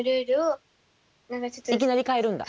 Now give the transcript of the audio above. いきなり変えるんだ？